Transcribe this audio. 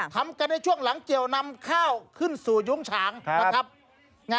ทำกันในช่วงหลังเกี่ยวนำข้าวขึ้นสู่ยุ้งฉางนะครับ